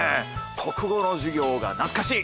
国語の授業が懐かしい。